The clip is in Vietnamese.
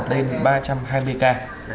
tăng vào tên ba trăm hai mươi ca